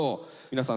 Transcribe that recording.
皆さん